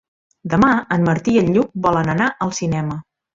Demà en Martí i en Lluc volen anar al cinema.